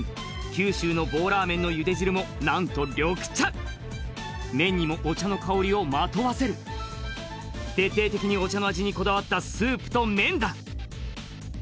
九州の棒ラーメンのゆで汁もなんと緑茶麺にもお茶の香りをまとわせる徹底的にお茶の味にこだわったスープと麺だ